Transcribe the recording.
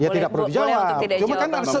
ya tidak perlu dijawab